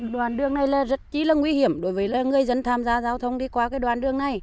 đoàn đường này rất chí là nguy hiểm đối với người dân tham gia giao thông đi qua đoàn đường này